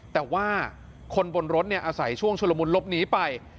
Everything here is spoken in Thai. แต่ว่าคนบนรถอาศัยช่วงชุลมุนลบหนีไป